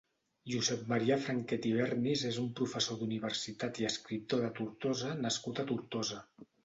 Josep Maria Franquet i Bernis és un professor d'universitat i escriptor de Tortosa nascut a Tortosa.